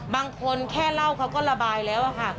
บางคนแค่เล่าเขาก็ระบายแล้วค่ะ